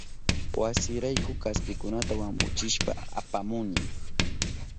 Wasirayku kaspikunata wampuchishpa apamuni.